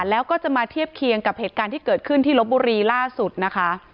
แล้วก็จะมาเทียบเคียงกับเหตุการณ์ที่เกิดขึ้นที่ลบบุรีล่าสุดนะคะ